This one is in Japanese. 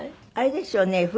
あれですよね。